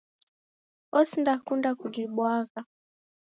Osindakunda kujibwagha